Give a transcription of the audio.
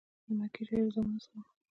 د مکې شریف زامنو څخه وو.